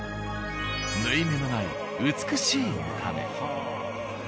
縫い目のない美しい見た目。